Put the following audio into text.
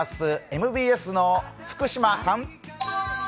ＭＢＣの福島さん。